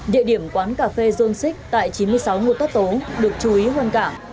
địa điểm quán cà phê donsic tại chín mươi sáu nguồn tất tố được chú ý hoàn cảng